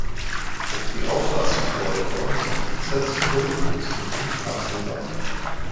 Ob die Auffassung der Autoren sich durchsetzen wird, ist noch nicht absehbar.